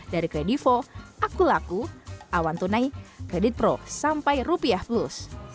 dari kredivo akulaku awantunai kreditpro sampai rupiah plus